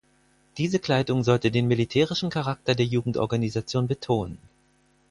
Diese Kleidung sollte den militärischen Charakter der Jugendorganisation betonen.